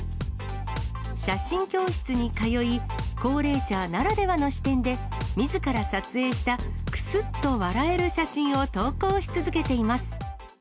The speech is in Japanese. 写真教室に通い、高齢者ならではの視点で、みずから撮影したくすっと笑える写真を投稿し続けています。